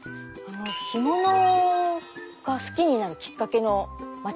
干物が好きになるきっかけの町だったんですね。